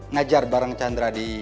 ngajar bareng candra di